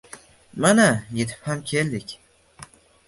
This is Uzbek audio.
- Mana, yetib ham keldik.